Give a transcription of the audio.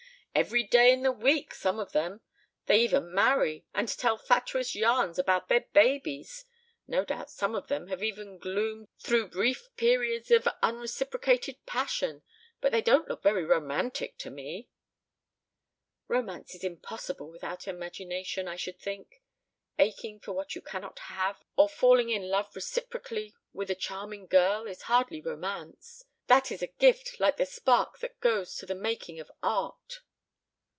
"Every day in the week, some of them. They even marry and tell fatuous yarns about their babies. No doubt some of them have even gloomed through brief periods of unreciprocated passion. But they don't look very romantic to me." "Romance is impossible without imagination, I should think. Aching for what you cannot have or falling in love reciprocally with a charming girl is hardly romance. That is a gift like the spark that goes to the making of Art."